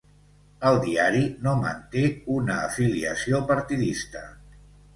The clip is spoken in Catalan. El diari no manté una afiliació partidista.